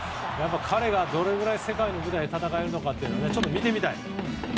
彼がどれぐらい世界の舞台で戦えるのか見てみたい。